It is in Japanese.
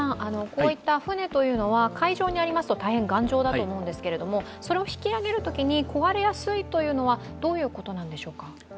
こういった船というのは海上にありますと大変頑丈だと思うんですが、それを引き揚げるときに壊れやすいというのはどういうことでしょうか？